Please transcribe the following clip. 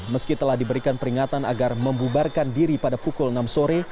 meski telah diberikan peringatan agar membubarkan diri pada pukul enam sore